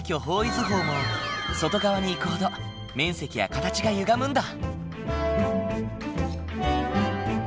図法も外側に行くほど面積や形がゆがむんだ。